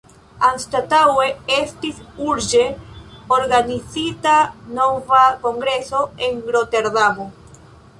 Anstataŭe estis urĝe organizita nova kongreso en Roterdamo.